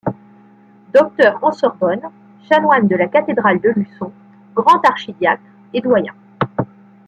Docteur en Sorbonne, Chanoine de la cathédrale de Luçon, grand archidiacre et doyen.